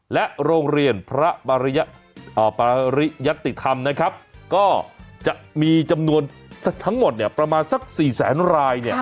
และโรงเรียนพระปริยติธรรมนะครับก็จะมีจำนวนทั้งหมดเนี่ยประมาณสัก๔แสนรายเนี่ย